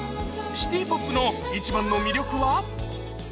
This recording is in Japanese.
シティポップの一番の魅力は？